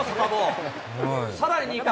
さらに２回。